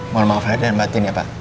maul maaf lalu dan batiin ya pak